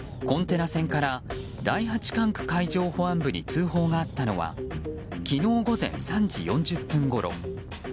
コンテナ船から第八管区海上保安本部に通報があったのは昨日午前３時４０分ごろ。